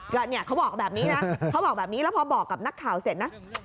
เขาบอกแบบนี้นะแล้วพอบอกกับนักข่าวเสร็จนะ